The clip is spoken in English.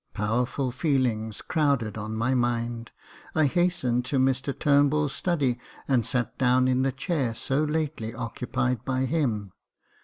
Powerful feelings crowded on my mind. I hastened to Mr Turnbull's study, and sat down in the chair so lately occupied by him.